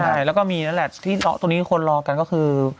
ใช่แล้วก็มีนั่นแหละที่ตรงนี้คนรอกันก็คือ